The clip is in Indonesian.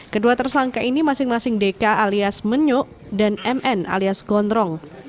kedua tersangka ini masing masing deka alias menyok dan mn alias gondrong